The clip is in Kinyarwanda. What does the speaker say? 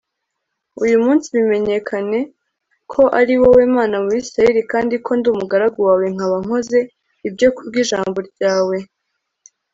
uyu munsi bimenyekane ko ari wowe Mana mu Bisirayeli kandi ko ndi umugaragu wawe nkaba nkoze ibyo kubwijjambo ryawe